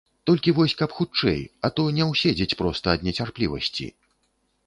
Толькі вось каб хутчэй, а то не ўседзець проста ад нецярплівасці.